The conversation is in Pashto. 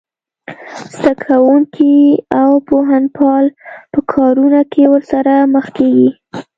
زده کوونکي او پوهنپال په کارونه کې ورسره مخ کېږي